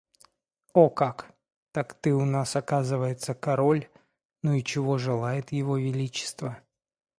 О как! Так ты у нас, оказывается, король? Ну и чего желает его Величество?